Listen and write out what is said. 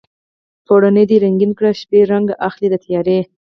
پوړونی دې رنګین کړه شپې رنګ اخلي د تیارې